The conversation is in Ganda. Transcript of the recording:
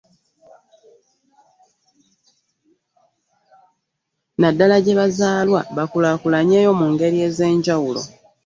Naddala gye bazaalwa bakulaakulanyeeyo mu ngeri ez'enjawulo